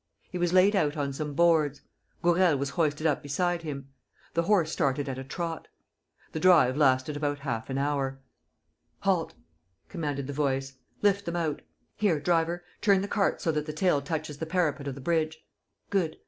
He was laid out on some boards. Gourel was hoisted up beside him. The horse started at a trot. The drive lasted about half an hour. "Halt!" commanded the voice. "Lift them out. Here, driver, turn the cart so that the tail touches the parapet of the bridge. ... Good. ...